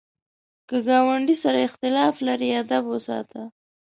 که ګاونډي سره اختلاف لرې، ادب وساته